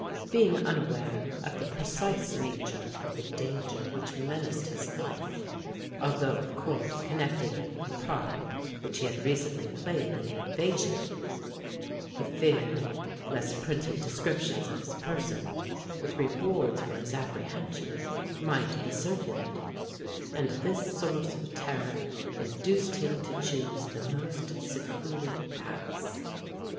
Being unaware of the precise nature of the danger which menaced his life,—although of course connecting it with the part which he had recently played in the invasion,—he feared lest printed descriptions of his person, with rewards for his apprehension, might be circulated; and this source of terror induced him to choose the most secluded paths.